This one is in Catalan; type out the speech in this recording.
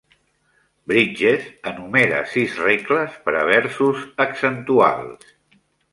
Bridges enumera sis "regles" per a versos accentuals.